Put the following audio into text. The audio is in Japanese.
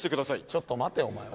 ちょっと待てお前おい。